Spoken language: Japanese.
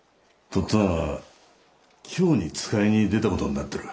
とっつぁんは京に使いに出た事になってる。